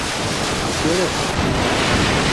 Tekref.